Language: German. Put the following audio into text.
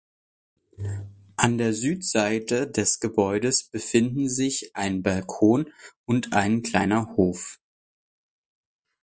An der Südseite des Gebäudes befinden sich ein Balkon und ein kleiner Hof.